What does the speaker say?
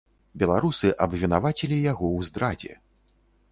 Беларусы абвінавацілі яго ў здрадзе.